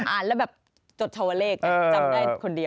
อ่านแล้วแบบจดชาวเลขจำได้คนเดียว